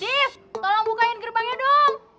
gif tolong bukain gerbangnya dong